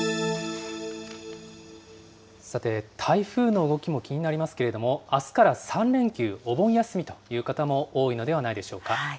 さて、台風の動きも気になりますけれども、あすから３連休、お盆休みという方も多いのではないでしょうか。